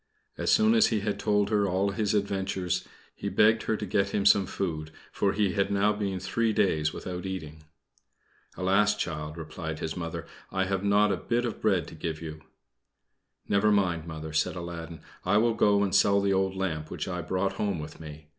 As soon as he had told her all his adventures, he begged her to get him some food, for he had now been three days without eating. "Alas, child!" replied his Mother, "I have not a bit of bread to give you." "Never mind, Mother," said Aladdin, "I will go and sell the old lamp which I brought home with me.